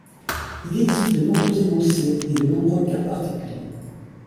Il existe de nombreux énoncés, et de nombreux cas particuliers.